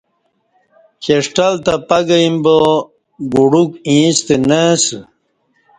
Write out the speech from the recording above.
چہ ݜٹل تہ پہ گہ ییم با گ ڈوک یݩستہ نہ اسہ